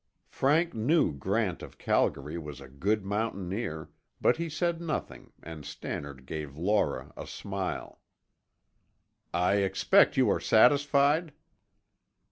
Frank knew Grant of Calgary was a good mountaineer, but he said nothing and Stannard gave Laura a smile. "I expect you are satisfied."